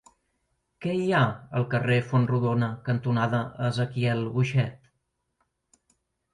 Què hi ha al carrer Fontrodona cantonada Ezequiel Boixet?